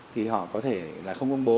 thì họ có thể là không công bố